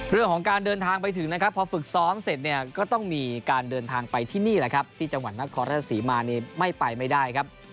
เรื่องของการเดินทางไปถึงนะครับพอฝึกซ้อมเสร็จเนี่ยก็ต้องมีการเดินทางไปที่นี่แหละครับที่จังหวัดนครราชศรีมานี่ไม่ไปไม่ได้ครับ